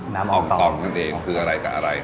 น้ำอองตองครับคืออะไรกับอะไร